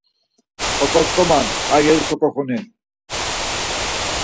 Oǩoç̌ǩoman, ar yeris koǩoxuni